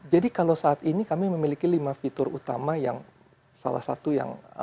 jadi kalau saat ini kami memiliki lima fitur utama yang salah satu yang